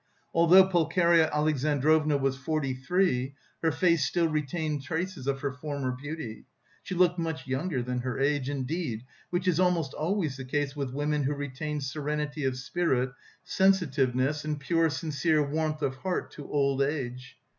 Although Pulcheria Alexandrovna was forty three, her face still retained traces of her former beauty; she looked much younger than her age, indeed, which is almost always the case with women who retain serenity of spirit, sensitiveness and pure sincere warmth of heart to old age.